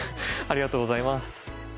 ありがとうございます。